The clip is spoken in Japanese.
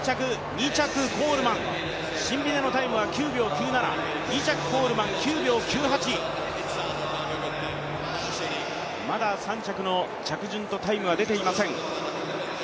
２着、コールマン、シンビネのタイムは９秒９７２着コールマン９秒９８、まだ３着の着順とタイムは出ていません。